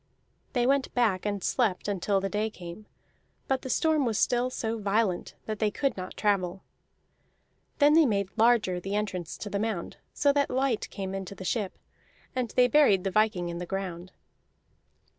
They went back and slept until the day came, but the storm was still so violent that they could not travel. Then they made larger the entrance to the mound so that light came into the ship; and they buried the viking in the ground.